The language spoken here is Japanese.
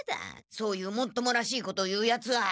そういうもっともらしいことを言うヤツは。